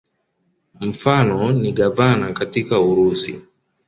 Mfano ni gavana katika Urusi.